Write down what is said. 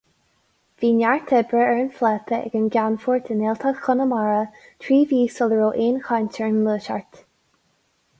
Bhí neart oibre ar a phláta ag an gCeannfort i nGaeltacht Chonamara trí mhí sula raibh aon chaint ar an nGluaiseacht.